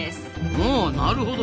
おなるほど。